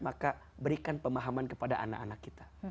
maka berikan pemahaman kepada anak anak kita